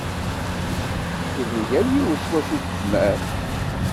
Ihi yal yiwet s wacu tezmer.